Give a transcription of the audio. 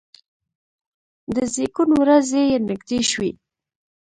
د زیږون ورځې یې نږدې شوې.